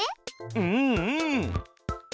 うんうん！